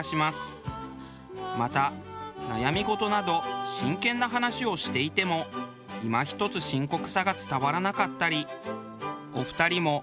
また悩み事など真剣な話をしていてもいま一つ深刻さが伝わらなかったり。